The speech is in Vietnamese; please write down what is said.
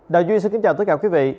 đào duy xin kính chào tất cả quý vị